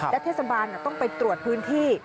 และเทศบาลต้องไปตรวจพื้นที่